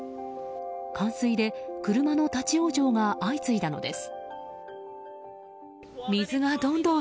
冠水で、車の立ち往生が相次いだのです。